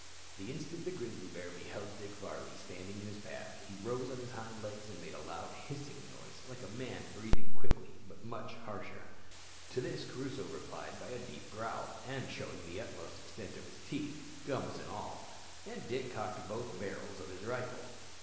The instant the grizzly bear beheld Dick Varley standing in his path, he rose on his hind legs and made a loud hissing noise, like a man breathing quick, but much harsher. To this Crusoe replied by a deep growl, and showing the utmost extent of his teeth, gums and all; and Dick cocked both barrels of his rifle.